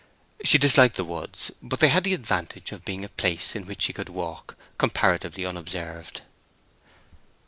She disliked the woods, but they had the advantage of being a place in which she could walk comparatively unobserved.